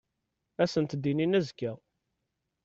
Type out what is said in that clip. Ad sent-d-inin azekka.